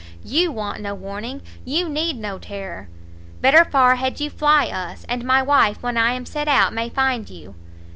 you want no warning! you need no terror! better far had you fly us, and my wife when I am set out may find you."